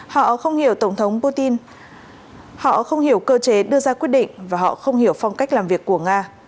họ không hiểu tổng thống putin họ không hiểu cơ chế đưa ra quyết định và họ không hiểu phong cách làm việc của nga